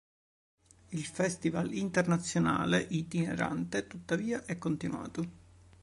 Il festival internazionale itinerante, tuttavia, è continuato.